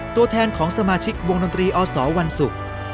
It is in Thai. ตัวแทนของสมาชิกวงดนตรีอสวันศุกร์